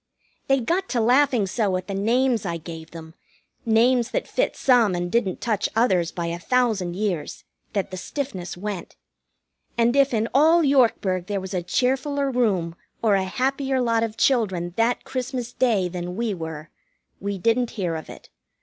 They got to laughing so at the names I gave them names that fit some, and didn't touch others by a thousand years that the stiffness went. And if in all Yorkburg there was a cheerfuller room or a happier lot of children that Christmas Day than we were, we didn't hear of it.